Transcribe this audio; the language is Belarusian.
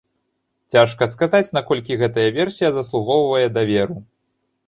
Цяжка сказаць, наколькі гэтая версія заслугоўвае даверу.